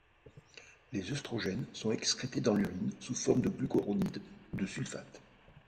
Les œstrogènes sont excrétés dans l’urine sous forme de glucuronides ou de sulfates.